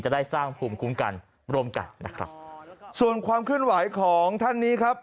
ได้สร้างภูมิคุ้มกันร่วมกันนะครับส่วนความเคลื่อนไหวของท่านนี้ครับ